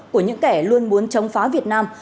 của những kẻ luôn muốn chống phá việt nam